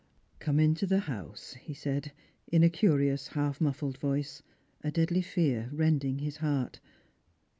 "Come into the house," he said, in a curious half mufl3ed voice, a deadly fear rending his heart.